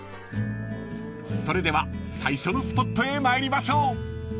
［それでは最初のスポットへ参りましょう］